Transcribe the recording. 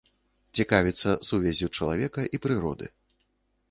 Цікавіцца сувяззю чалавека і прыроды.